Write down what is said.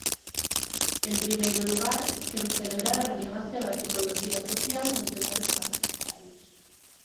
En primeiro lugar, quero celebrar a relevancia da psicoloxía social nos debates parlamentarios.